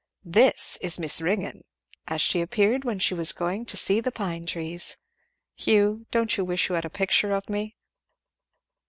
"This is Miss Ringgan! as she appeared when she was going to see the pine trees. Hugh, don't you wish you had a picture of me?"